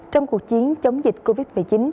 trong cuộc chiến chống dịch covid một mươi chín